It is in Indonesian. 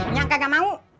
nyak kagak mau